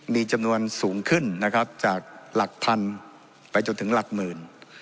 มีจำนวนสูงขึ้นนะครับจากหลักพันไปจนถึงหลักหมื่น